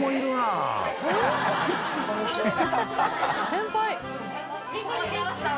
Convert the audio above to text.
先輩！